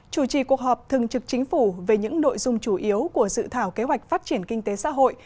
chủ trì cuộc họp thường trực chính phủ về những nội dung chủ yếu của dự thảo kế hoạch phát triển kinh tế xã hội